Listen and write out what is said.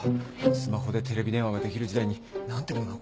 スマホでテレビ電話ができる時代に何てものを。